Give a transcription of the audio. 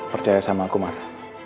percaya sama aku mas